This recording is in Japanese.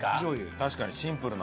確かにシンプルな。